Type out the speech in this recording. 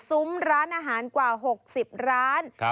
ร้านอาหารกว่า๖๐ร้าน